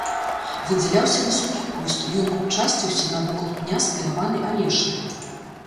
Выдзяляўся высокі куст, ён купчасціўся навокал пня спілаванай алешыны.